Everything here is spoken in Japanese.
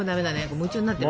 夢中になってるね。